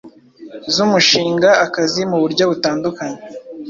zumushinga akazi muburyo butandukanye